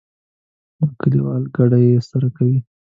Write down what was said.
نو کلیوال کډه په سر کوي.